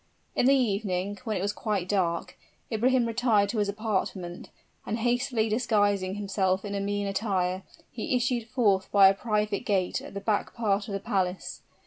In the evening, when it was quite dusk, Ibrahim retired to his apartment; and hastily disguising himself in a mean attire, he issued forth by a private gate at the back part of the palace.